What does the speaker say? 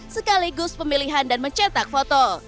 sekaligus pemilihan dan mencetak foto